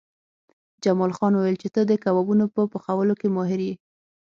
جمال خان وویل چې ته د کبابونو په پخولو کې ماهر یې